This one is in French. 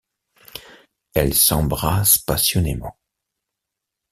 Elles s'embrassent passionnément.